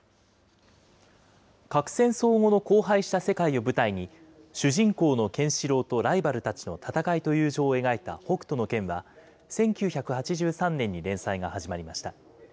核戦争後の荒廃した世界を舞台に、主人公のケンシロウとライバルたちの戦いと友情を描いた北斗の拳は、１９８３年に連載が始まりました。